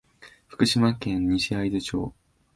福島県西会津町